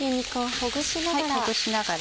ほぐしながら。